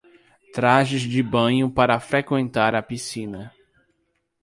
Trajes de banho para frequentar a piscina